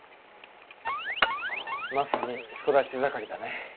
まさに育ち盛りだね。